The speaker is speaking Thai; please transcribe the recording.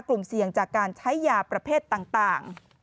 กลุ่มเสี่ยงจากการใช้ยาประเภทต่าง